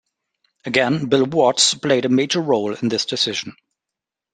Again, Bill Watts played a major role in this decision.